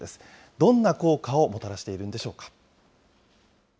どんな効果をもたらしているんでし